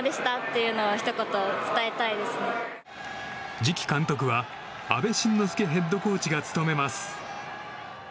次期監督は阿部慎之助ヘッドコーチが務めます。